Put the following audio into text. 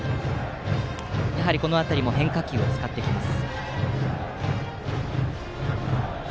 やはりこの辺りも変化球を使ってきます。